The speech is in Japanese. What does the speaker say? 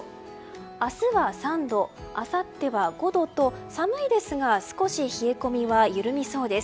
明日は３度、あさっては５度と寒いですが少し冷え込みは緩みそうです。